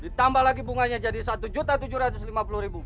ditambah lagi bunganya jadi rp satu tujuh ratus lima puluh